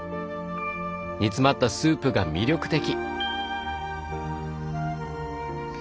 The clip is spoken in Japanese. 煮詰まったスープが魅力的！